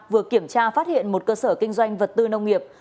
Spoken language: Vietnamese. vừa kiểm tra phát hiện một cơ sở kinh doanh vật tư nông nghiệp